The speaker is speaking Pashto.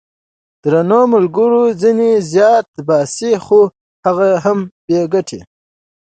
درنو ملګرو ! ځینې زیار باسي خو هغه هم بې ګټې!